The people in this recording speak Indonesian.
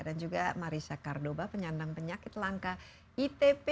dan juga marisa cardoba penyandang penyakit langka itp